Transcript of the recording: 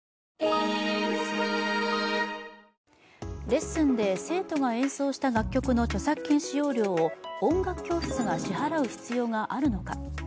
レッスンで生徒が演奏した楽曲の著作権使用料を音楽教室が支払う必要があるのか。